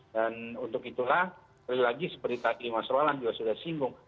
dan untuk itulah sekali lagi seperti tadi mas olan juga sudah singgung